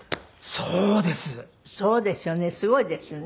そうですよね。